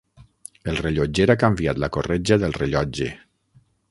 El rellotger ha canviat la corretja del rellotge.